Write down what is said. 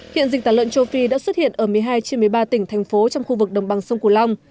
hiện dịch tả lợn châu phi đã xuất hiện ở một mươi hai trên một mươi ba tỉnh thành phố trong khu vực đồng bằng sông cửu long